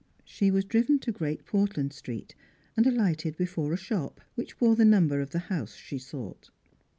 She was driven to Great Portland Street and alighted before a shop, which bore the number of the house she sought.